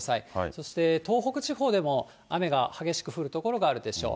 そして東北地方でも雨が激しく降る所があるでしょう。